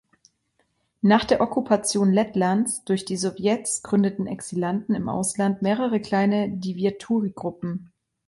Nach der Okkupation Lettlands durch die Sowjets gründeten Exilanten im Ausland mehrere kleinere Dievturi-Gruppen.